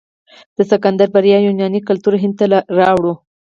د سکندر برید یوناني کلتور هند ته راوړ.